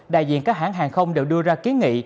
đại diện các hãng hàng không đều đưa ra kiến nghị